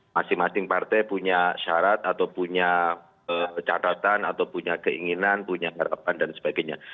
masing masing partai punya syarat atau punya catatan atau punya keinginan punya harapan dan sebagainya